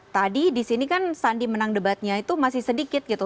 tadi di sini kan sandi menang debatnya itu masih sedikit gitu